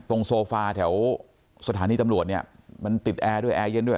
โซฟาแถวสถานีตำรวจเนี่ยมันติดแอร์ด้วยแอร์เย็นด้วย